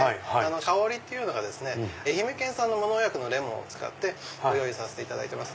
香っていうのが愛媛県産の無農薬のレモンを使ってご用意させていただいています。